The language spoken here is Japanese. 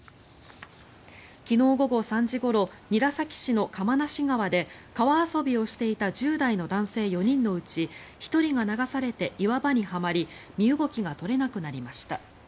昨日午後３時ごろ韮崎市の釜無川で川遊びをしていた１０代の男性４人のうち１人が流されて岩場にはまり身動きが取れなくなりました。